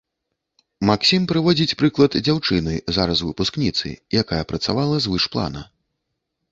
Максім прыводзіць прыклад дзяўчыны, зараз выпускніцы, якая працавала звыш плана.